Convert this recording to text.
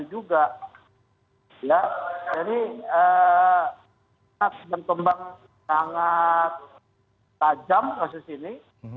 ini sudah sangat mengembang sangat tajam kasus ini